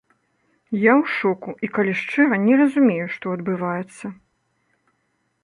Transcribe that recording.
Я ў шоку і, калі шчыра, не разумею, што адбываецца.